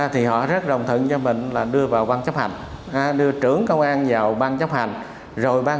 thì họ rất rồng thận cho mình là đưa vào văn chấp hành đưa trưởng công an vào ban chấp hành rồi ban